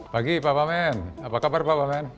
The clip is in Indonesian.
pagi pak wamen apa kabar pak wamen